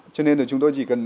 cho nên là chúng tôi chỉ cần